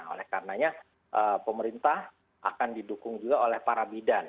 oleh karenanya pemerintah akan didukung juga oleh para bidan